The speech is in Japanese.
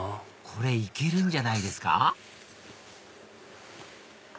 これイケるんじゃないですか？